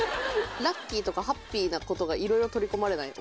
ラッキーとかハッピーなことがいろいろ取り込まれない？